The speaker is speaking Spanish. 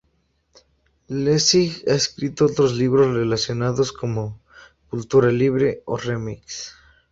Lessig ha escrito otros libros relacionados como "Cultura libre" o "Remix".